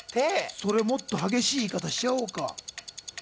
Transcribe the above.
それ、もっと激しい言い方しようか。